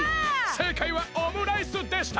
せいかいはオムライスでした！